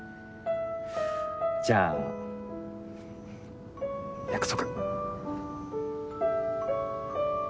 じゃあ約束。